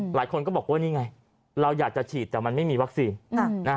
หลายคนก็บอกว่านี่ไงเราอยากจะฉีดแต่มันไม่มีวัคซีน